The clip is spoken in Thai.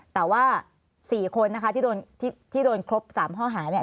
แต่ว่า๔คนนะคะที่โดนครบ๓ข้อหาเนี่ย